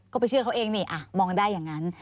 ก็ไปเชื่อเขาเองนี่มองได้อย่างนั้น